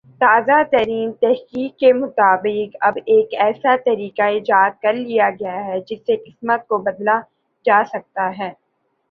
تازہ ترین تحقیق کے مطابق اب ایک ایسا طریقہ ایجاد کر لیا گیا ہے جس سے قسمت کو بدلہ جاسکتا ہے